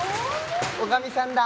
女将さんだ。